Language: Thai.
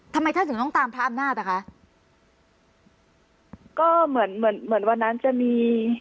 ทำไมท่านถึงต้องตามพระอำนาจอ่ะคะก็เหมือนเหมือนเหมือนวันนั้นจะมี